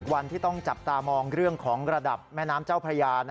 วันที่ต้องจับตามองเรื่องของระดับแม่น้ำเจ้าพระยา